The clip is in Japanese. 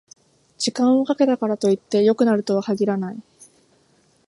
時間をかけたからといって良くなるとは限らない